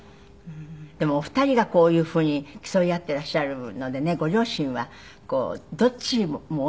でもお二人がこういうふうに競い合っていらっしゃるのでねご両親はどっちも応援するのが大変でしょうね。